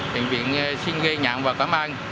bệnh viện xin ghi nhận và cảm ơn